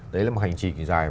đấy là một hành trình dài